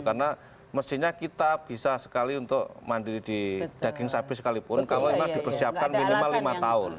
karena mestinya kita bisa sekali untuk mandiri di daging sapi sekalipun kalau memang dipersiapkan minimal lima tahun